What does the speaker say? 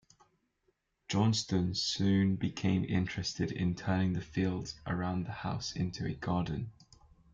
Johnston soon became interested in turning the fields around the house into a garden.